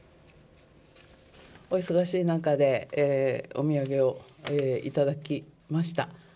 お忙しい中で、お土産を頂きました。